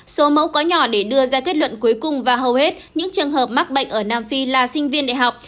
số mẫu có nhỏ để đưa ra kết luận cuối cùng và hầu hết những trường hợp mắc bệnh ở nam phi là sinh viên đại học